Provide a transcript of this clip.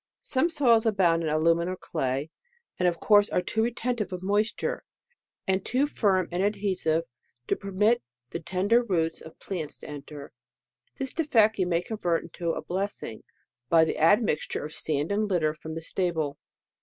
Some soils abound in alumin or clay, and of course are too retentive of moisture, and too firm and adhesive to permit the ten der roots of plants to enter. ^This defect you may convert into a'blessing, by the admixture of sand and litter from the stable.